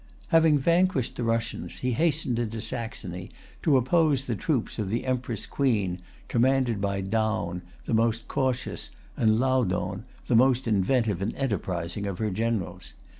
Having vanquished the Russians, he hastened into Saxony to oppose the troops of the Empress Queen, commanded by Daun, the most cautious, and Laudohn, the most inventive and enterprising, of her generals.